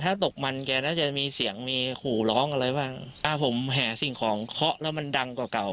ถ้าตกมันแกน่าจะมีเสียงมีขู่ร้องอะไรบ้างอ่าผมแห่สิ่งของเคาะแล้วมันดังกว่าเก่า